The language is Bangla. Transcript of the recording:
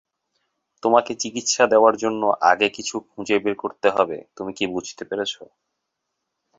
তোমাকে চিকিৎসা দেওয়ার জন্য আগে কিছু খুঁজে বের করতে হবে তুমি কি বুঝতে পেরেছো?